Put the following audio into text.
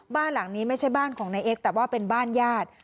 บ้านหลังนี้ไม่ใช่บ้านของนายเอ็กซแต่ว่าเป็นบ้านญาติ